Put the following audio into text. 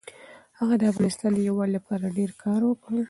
هغه د افغانستان د یووالي لپاره ډېر کار وکړ.